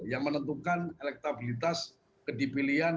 yang menentukan elektabilitas kedipilian